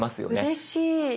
うれしい。